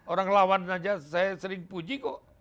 orang lawan saja saya sering puji kok